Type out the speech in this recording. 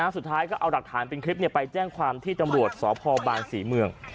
สุดท้ายก็เอาหลักฐานเป็นคลิปไปแจ้งความที่ตำรวจสพบางศรีเมือง